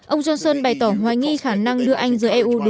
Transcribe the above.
ông johnson bày tỏ hoài nghi khả năng đưa anh giữa eu đúng